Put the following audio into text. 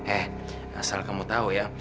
eh asal kamu tahu ya